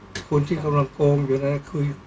ก็ต้องทำอย่างที่บอกว่าช่องคุณวิชากำลังทำอยู่นั่นนะครับ